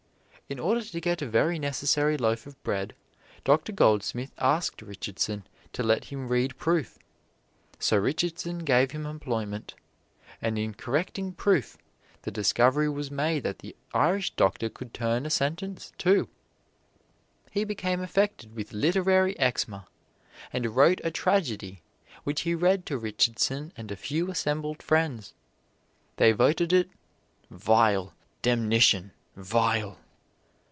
In order to get a very necessary loaf of bread, Doctor Goldsmith asked Richardson to let him read proof. So Richardson gave him employment, and in correcting proof the discovery was made that the Irish doctor could turn a sentence, too. He became affected with literary eczema, and wrote a tragedy which he read to Richardson and a few assembled friends. They voted it "vile, demnition vile."